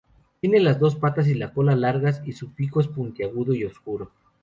Tiene las patas y la cola largas, y su pico es puntiagudo y oscuro.